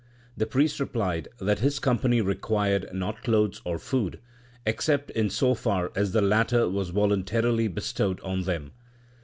The priest replied that his company required not clothes or food, except in so far as the latter was voluntarily bestowed on them.